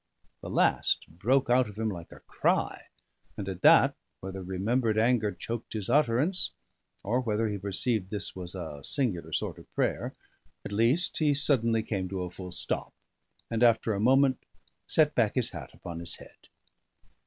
The last broke out of him like a cry; and at that, whether remembered anger choked his utterance, or whether he perceived this was a singular sort of prayer, at least he suddenly came to a full stop; and, after a moment, set back his hat upon his head.